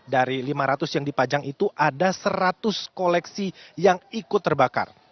dari lima ratus yang dipajang itu ada seratus koleksi yang ikut terbakar